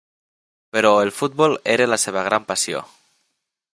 Però el futbol era la seva gran passió.